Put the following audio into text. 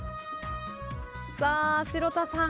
さあ城田さん